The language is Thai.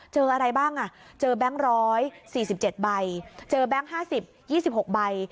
เจออะไรบ้างเจอแบงค์๑๔๗ใบเจอแบงค์๕๐๒๖ใบ